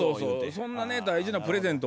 そんなね大事なプレゼントをね